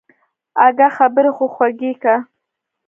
اگه خبرې خو خوږې که.